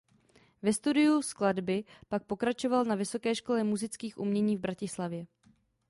Ve studiu skladby pak pokračoval na Vysoké škole múzických umění v Bratislavě.